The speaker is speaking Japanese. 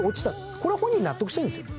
これは本人納得してるんですよ。